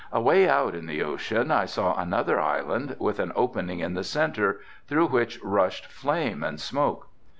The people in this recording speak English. Away out in the ocean I saw another island, with an opening in the centre, through which rushed flame and smoke.